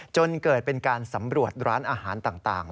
จนเกิดเป็นการสำรวจร้านอาหารต่าง